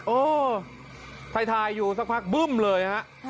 โอ้ถ่ายอยู่สักพักบึ้มเลยฮะ